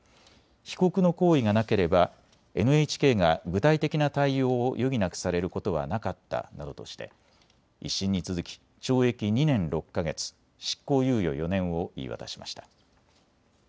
被告の行為がなければＮＨＫが具体的な対応を余儀なくされることはなかったなどとして１審に続き懲役２年６か月、執行猶予４年を言い渡しました。